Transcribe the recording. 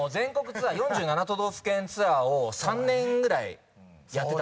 ツアー４７都道府県ツアーを３年ぐらいやってたんですよ。